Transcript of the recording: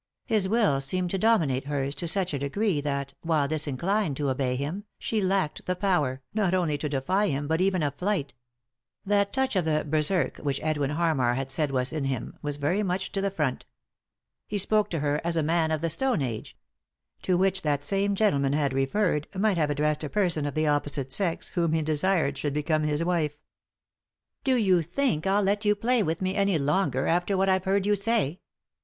His will seemed to dominate hers to such a degree that, while disinclined to obey him, she lacked the power, not only to defy him, but even of flight That touch of the berserk, which Edwin Harmar had said was in him, was very much to the front He spoke to her as a man of the Stone Age — to which that same gentleman had referred — might have addressed a person U 305 3i 9 iii^d by Google THE INTERRUPTED KISS of the opposite sex, whom he desired should become his wife. "Do you think I'll let you play with me any longer, after what I have heard you say